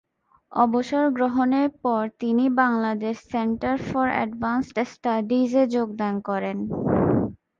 অবসরগ্রহণের পর তিনি Bangladesh centre for advanced স্টাডিজে যোগদান করেন।